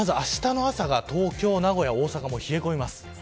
あしたの朝が東京、名古屋大阪、冷え込みます。